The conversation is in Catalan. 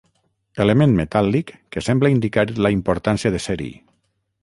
Element metàl·lic que sembla indicar la importància de ser-hi.